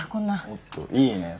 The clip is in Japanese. おっといいねえ。